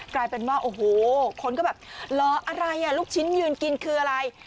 กลายเป็นว่าโอ้โหคนก็แบบเหรออะไรอ่ะลูกชิ้นยืนกินคืออะไร